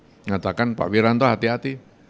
mengatakan pak wiranto hati hati